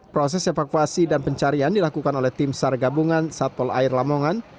proses evakuasi dan pencarian dilakukan oleh tim sar gabungan satpol air lamongan